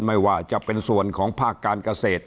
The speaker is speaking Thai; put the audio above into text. ไม่ว่าจะเป็นส่วนของภาคการเกษตร